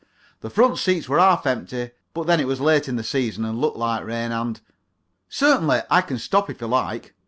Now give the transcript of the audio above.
The front seats were half empty, but then it was late in the season, and looked like rain, and Certainly, I can stop if you like.